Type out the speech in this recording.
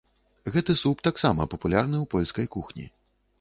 Гэты суп таксама папулярны ў польскай кухні.